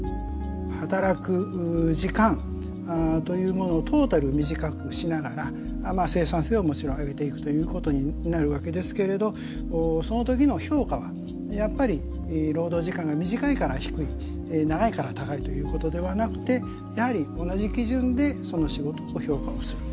働く時間というものをトータル短くしながら生産性はもちろん上げていくということになるわけですけれどその時の評価はやっぱり労働時間が短いから低い長いから高いということではなくてやはり同じ基準でその仕事を評価をする。